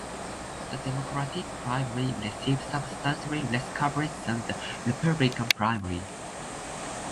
The Democratic primary received substantially less coverage than the Republican primary.